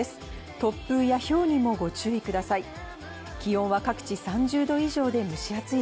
突風やひょうにもご注意ください。